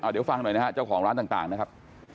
เดี๋ยวฟังหน่อยนะฮะเจ้าของร้านต่างนะครับ